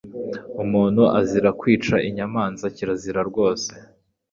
Umuntu azira kwica inyamanza, kirazira rwose